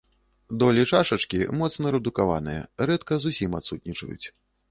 Долі чашачкі моцна рэдукаваныя, рэдка зусім адсутнічаюць.